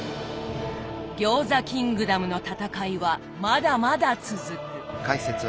餃子キングダムの戦いはまだまだ続く。